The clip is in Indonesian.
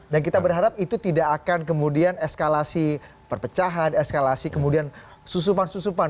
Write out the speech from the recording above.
dan kita berharap itu tidak akan kemudian eskalasi perpecahan eskalasi kemudian susupan susupan